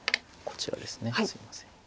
こちらですねすいません。